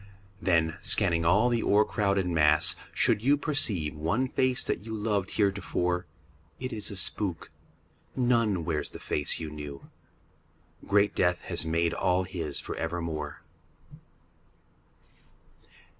Then, scanning all the o'ercrowded mass, should you Perceive one face that you loved heretofore, It is a spook. None wears the face you knew. Great death has made all his for evermore.